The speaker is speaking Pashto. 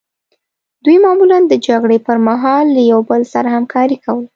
دوی معمولا د جګړې پرمهال له یو بل سره همکاري کوله.